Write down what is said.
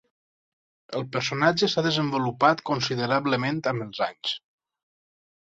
El personatge s'ha desenvolupat considerablement amb els anys.